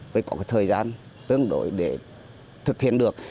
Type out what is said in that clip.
phải có cái thời gian tương đối để thực hiện được